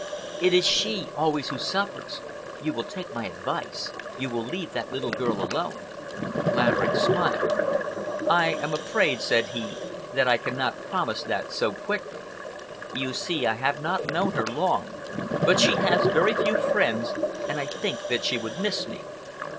It is she always who suffers. You will take my advice. You will leave that little girl alone." Laverick smiled. "I am afraid," said he, "that I cannot promise that so quickly. You see, I have not known her long, but she has very few friends and I think that she would miss me.